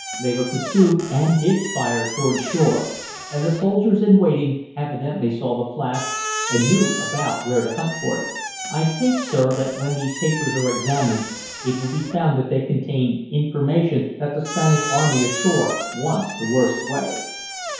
They were pursued, and did fire toward shore, and the soldiers in waiting evidently saw the flash, and knew about where to hunt for it. I think, sir, that when these papers are examined it will be found that they contain information that the Spanish army ashore wants the worst way."